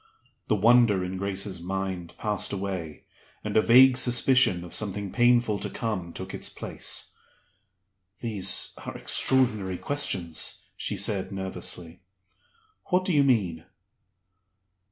The wonder in Grace's mind passed away, and a vague suspicion of something painful to come took its place. "These are extraordinary questions," she said, nervously. "What do you mean?"